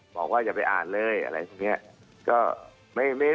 บอกว่าจะไปอ่านเลยอะไรแบบนี้